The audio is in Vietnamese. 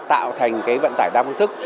tạo thành vận tải đa phương thức